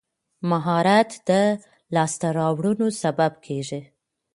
مهارت د لاسته راوړنو سبب کېږي.